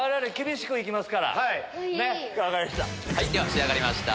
仕上がりました。